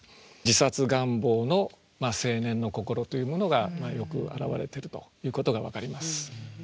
自殺願望の青年の心というものがよく表れているということが分かります。